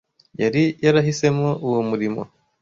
yari yarahisemo uwo murimo